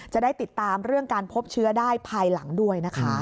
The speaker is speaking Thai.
จะได้ติดตามเรื่องการพบเชื้อได้ภายหลังด้วยนะคะ